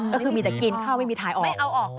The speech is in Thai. ก็คือมีแต่กินเข้าไม่มีถ่ายออก